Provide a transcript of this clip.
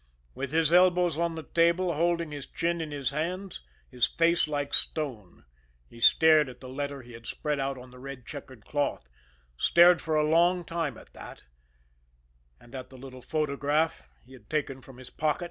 With his elbows on the table, holding his chin in his hands, his face like stone, he stared at the letter he had spread out on the red checkered cloth stared for a long time at that, and at the little photograph he had taken from his pocket.